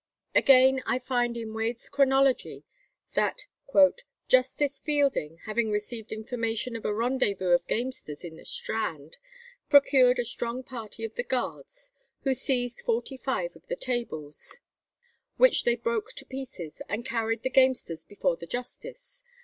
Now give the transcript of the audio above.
Again, I find in Wade's "Chronology" that "Justice Fielding, having received information of a rendezvous of gamesters in the Strand, procured a strong party of the Guards, who seized forty five of the tables, which they broke to pieces, and carried the gamesters before the justice.